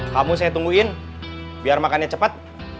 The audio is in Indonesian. kamu saya tungguin biar makannya cepat